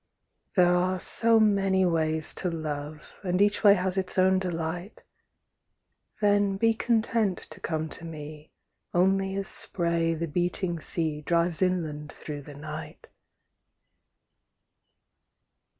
There are so many ways to love And each way has its own delight Then be content to come to me Only as spray the beating sea Drives inland through the night.